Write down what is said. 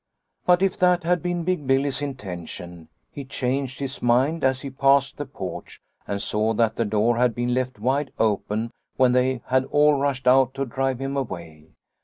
But if that had been Big Billy's intention, he changed his mind as he passed the porch and saw that the door had been left wide open when they had all rushed out to drive him away.